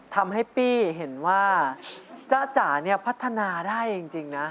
ทำให้ปี้เห็นว่าจ๊ะจ๋าเนี่ยพัฒนาได้จริงนะ